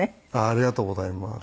ありがとうございます。